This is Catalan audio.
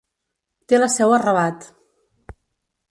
Té la seu a Rabat.